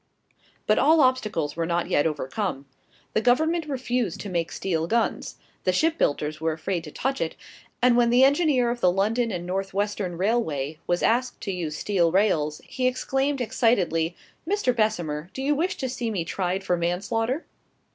But all obstacles were not yet overcome. The Government refused to make steel guns; the shipbuilders were afraid to touch it; and when the engineer of the London and North western Railway was asked to use steel rails, he exclaimed, excitedly, "Mr. Bessemer, do you wish to see me tried for manslaughter?"